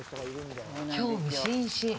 興味津々。